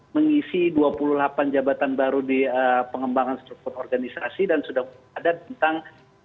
mengisi dua puluh delapan jabatan baru di pengembangan struktur organisasi dan sudah ada tentang